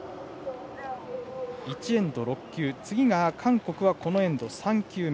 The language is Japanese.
１エンド６球、次は韓国このエンド３球目。